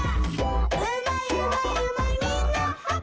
「うまいうまいうまいみんなハッピー」